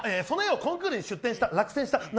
その絵をコンクールに出展した落選した。